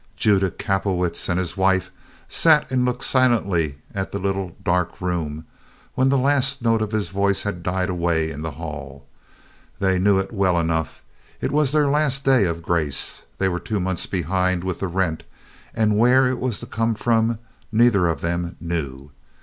Judah Kapelowitz and his wife sat and looked silently at the little dark room when the last note of his voice had died away in the hall. They knew it well enough it was their last day of grace. They were two months behind with the rent, and where it was to come from neither of them knew.